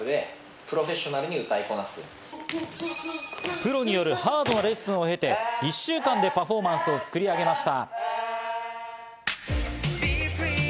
プロによるハードなレッスンを経て、１週間でパフォーマンスを作り上げました。